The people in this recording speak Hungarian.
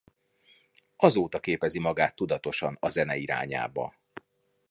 Azóta képezi magát tudatosan a zene irányába.